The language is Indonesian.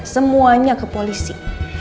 semuanya ke polisi